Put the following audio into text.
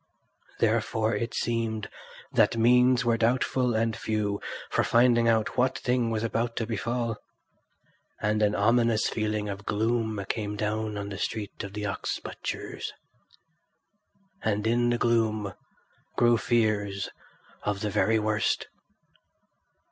Therefore it seemed that means were doubtful and few for finding out what thing was about to befall; and an ominous feeling of gloom came down on the street of the ox butchers. And in the gloom grew fears of the very worst.